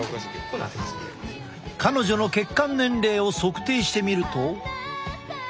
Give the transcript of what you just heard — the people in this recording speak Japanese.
彼女の血管年齢を測定してみると。